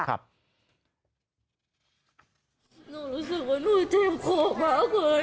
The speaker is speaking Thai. หนูรู้สึกว่าหนูจะโขปเหมือนกัน